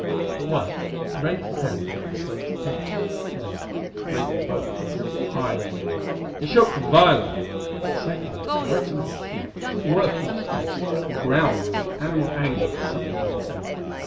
At once he raised his hand to get the slaves' attention; then, raising both fists high in the air, he shook them violently, at the same time gritting his teeth, working his face, and growling in animal anger at something overhead.